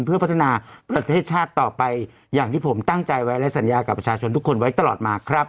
เพื่อพัฒนาประเทศชาติต่อไปอย่างที่ผมตั้งใจไว้และสัญญากับประชาชนทุกคนไว้ตลอดมาครับ